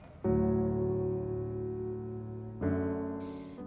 ya jangan sampai sakit